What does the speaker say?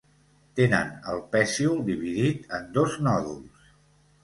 Tenen el pecíol dividit en dos nòduls.